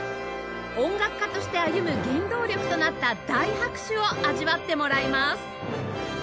音楽家として歩む原動力となった大拍手を味わってもらいます